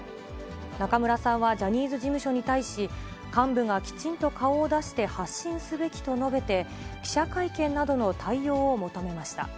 中村さんはジャニーズ事務所に対し、幹部がきちんと顔を出して発信すべきと述べて、記者会見などの対応を求めました。